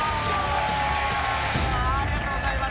ありがとうございます。